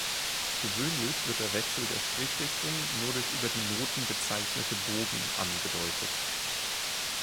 Gewöhnlich wird der Wechsel der Strich-Richtung nur durch über die Noten gezeichnete Bogen angedeutet.